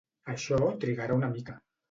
Això trigarà una mica.